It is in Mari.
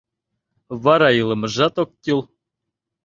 — Вара илымыжат ок кӱл...